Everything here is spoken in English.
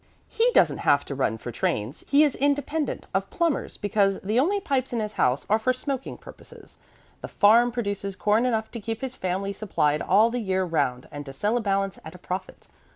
He doesn't have to run for trains; he is independent of plumbers, because the only pipes in his house are for smoking purposes. The farm produces corn enough to keep his family supplied all the year round and to sell a balance at a profit.